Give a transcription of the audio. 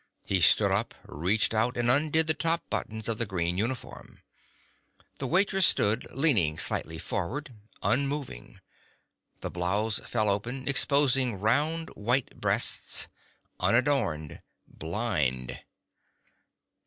He stood up, reached out and undid the top buttons of the green uniform. The waitress stood, leaning slightly forward, unmoving. The blouse fell open, exposing round white breasts unadorned, blind.